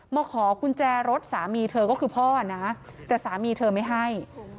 มาขอกุญแจรถสามีเธอก็คือพ่อนะแต่สามีเธอไม่ให้